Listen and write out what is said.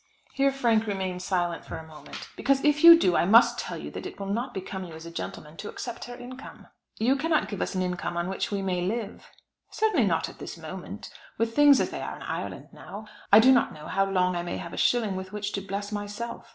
Here Frank remained silent for a moment. "Because if you do, I must tell you that it will not become you as a gentleman to accept her income." "You cannot give us an income on which we may live." "Certainly not at this moment. With things as they are in Ireland now, I do not know how long I may have a shilling with which to bless myself.